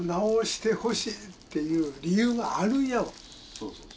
そうそう。